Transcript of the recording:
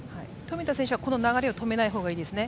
冨田選手はこの流れを止めないほうがいいですね。